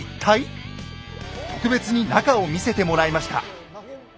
特別に中を見せてもらいました。